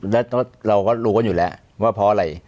แล้วเราก็รู้กันอยู่แล้วว่าเพราะอะไร